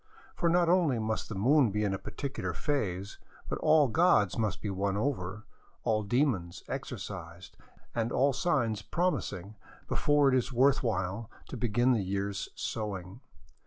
For not only must the moon be in a particular phase, but all gods must be won over, all demons exorcised, and all signs promising, before it is worth while to begin the year's sowing.